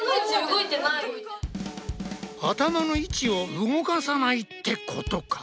頭の位置を動かさないってことか？